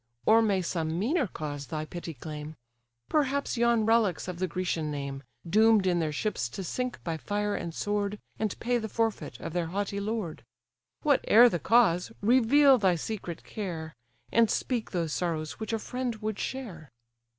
Or may some meaner cause thy pity claim? Perhaps yon relics of the Grecian name, Doom'd in their ships to sink by fire and sword, And pay the forfeit of their haughty lord? Whate'er the cause, reveal thy secret care, And speak those sorrows which a friend would share."